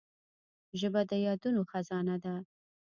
ژبه د یادونو خزانه ده